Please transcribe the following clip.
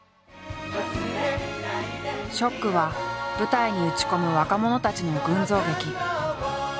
「ＳＨＯＣＫ」は舞台に打ち込む若者たちの群像劇。